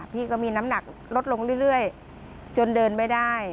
พี่ก็มีน้ำหนักลดลงเรื่อยจนเดินไม่ได้